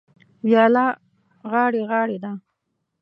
وياله غاړې غاړې ده.